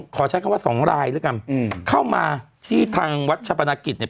ขอใช้คำว่าสองรายด้วยกันเข้ามาที่ทางวัดชะปนากิจเนี่ย